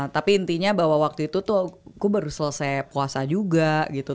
tapi intinya bahwa waktu itu tuh gue baru selesai puasa juga gitu